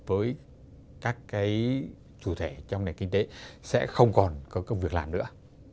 với các cái chủ thể trong nền kinh tế sẽ không còn có công việc làm nữa